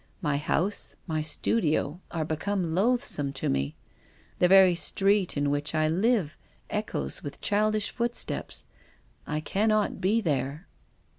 My house, my studio are become loathsome to me. The very street in which I live echoes with childish footsteps. I cannot be there."